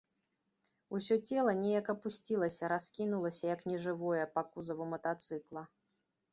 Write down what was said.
Усё цела неяк апусцілася, раскінулася, як нежывое, па кузаву матацыкла.